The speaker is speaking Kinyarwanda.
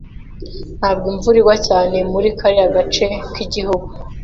Ntabwo imvura igwa cyane muri kariya gace kigihugu.